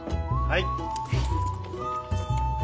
はい。